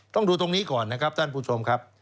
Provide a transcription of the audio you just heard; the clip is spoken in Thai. ต้องดูตรงนี้ก่อนนะครับท่านผู้ชมครับ